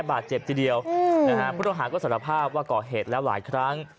ปากเจ็บทีเดียวผู้โทษหาว์ก็สารภาพว่าก่อเหตุแล้วหลายครั้ง